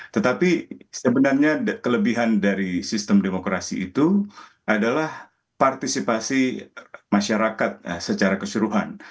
tetapi sebenarnya kelebihan dari sistem demokrasi itu adalah partisipasi masyarakat secara keseluruhan